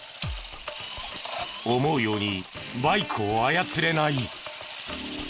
思うようにバイクを操れない。